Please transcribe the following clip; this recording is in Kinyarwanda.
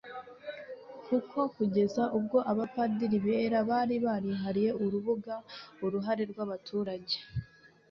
kuko kugeza ubwo abapadiri bera bari barihariye urubuga. .. uruhare rw'abaturage